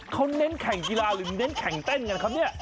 เขาเน้นแข่งกีฬาหรือเน้นแข่งเต้นกันครับเนี่ย